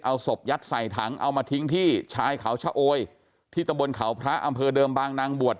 เอาศพยัดใส่ถังเอามาทิ้งที่ชายเขาชะโอยที่ตำบลเขาพระอำเภอเดิมบางนางบวช